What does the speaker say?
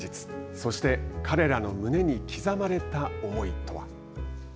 そして彼らの胸に刻まれた思いとは。